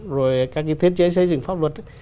rồi các cái thiết chế xây dựng pháp luật